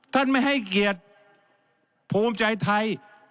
ท่านไม่ให้เกียรติภูมิใจไทย